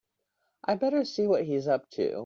I'd better see what he's up to.